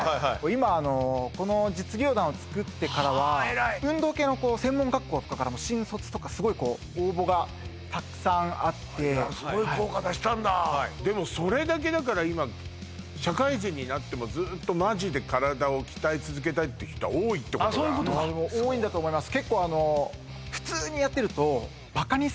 今あのこの実業団を作ってからははあ偉い運動系の専門学校とかからも新卒とかすごいこう応募がたくさんあってすごい効果出したんだでもそれだけだから今社会人になってもずーっとマジで体を鍛え続けたいって人多いってことだあっそういうことか多いんだと思います